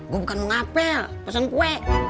gue bukan mau ngapel pesen kue